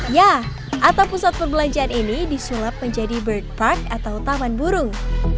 ya atap pusat perbelanjaan ini disulap menjadi bird park atau taman burung